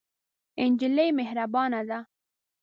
نجلۍ مهربانه ده.